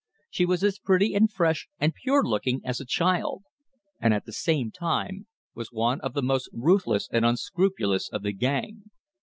She was as pretty and fresh and pure looking as a child; and at the same time was one of the most ruthless and unscrupulous of the gang.